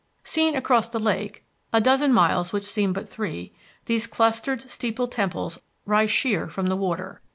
Seen across the lake a dozen miles which seem but three, these clustered steepled temples rise sheer from the water.